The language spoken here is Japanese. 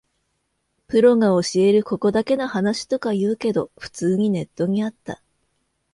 プロが教えるここだけの話とか言うけど、普通にネットにあった